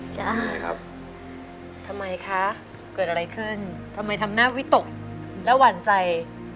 ใช่ครับทำไมคะเกิดอะไรขึ้นทำไมทำหน้าวิตกและหวั่นใจ